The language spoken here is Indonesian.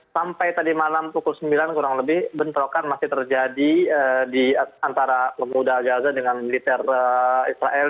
sampai tadi malam pukul sembilan kurang lebih bentrokan masih terjadi di antara pemuda gaza dengan militer israel